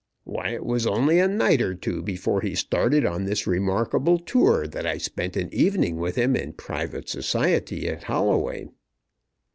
Why, it was only a night or two before he started on this remarkable tour that I spent an evening with him in private society at Holloway!"